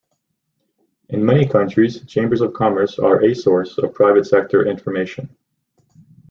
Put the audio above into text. In many countries Chambers of Commerce are a source of private sector information.